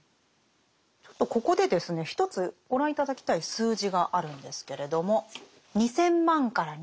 ちょっとここで一つご覧頂きたい数字があるんですけれども。